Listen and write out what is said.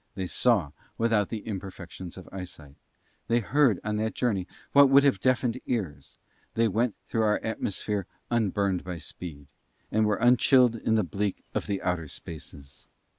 They saw without the imperfections of eyesight; they heard on that journey what would have deafened ears; they went through our atmosphere unburned by speed, and were unchilled in the bleak of the outer spaces.